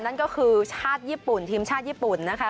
นั่นก็คือชาติญี่ปุ่นทีมชาติญี่ปุ่นนะคะ